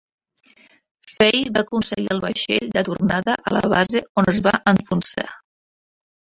Fay va aconseguir el vaixell de tornada a la base on es va enfonsar.